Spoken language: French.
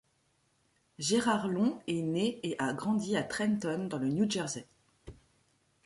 Gerard Long est né et a grandi à Trenton, dans le New Jersey.